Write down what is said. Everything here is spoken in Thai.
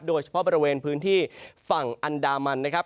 โดยเฉพาะบริเวณพื้นที่ฝั่งอันดามันนะครับ